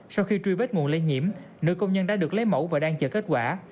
sau khi truy vết nguồn lây nhiễm nữ công nhân đã được lấy mẫu và đang chờ kết quả